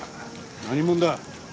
何者だ！